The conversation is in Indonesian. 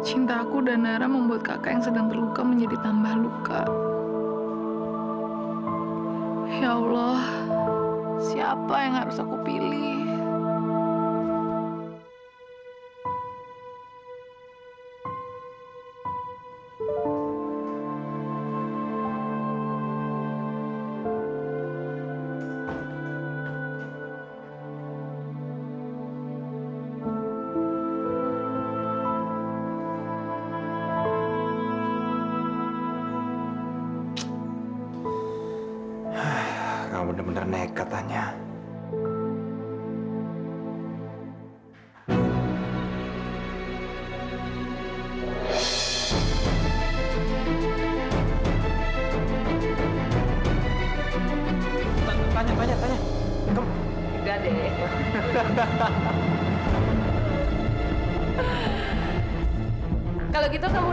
cinta aku diantara jody dan keluarga itu